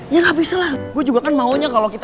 ya gak bisa lah gue juga kan maunya kalau kita